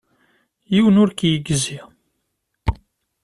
Yiwen ur k-yegzi.